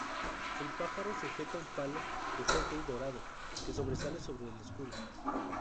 El pájaro sujeta un palo de hockey dorado, que sobresale sobre el escudo.